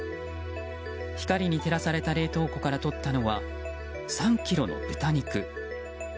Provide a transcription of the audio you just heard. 光に照らされた冷凍庫からとったのは３ｋｇの豚肉。